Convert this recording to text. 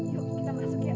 yuk kita masuk ya